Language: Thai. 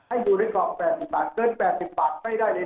ให้บริการ๘๐บาทเกิน๘๐บาทไม่ได้เลย